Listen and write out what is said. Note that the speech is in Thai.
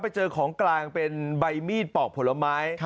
ไปเจอของกลางเป็นใบมีดปอกผลไม้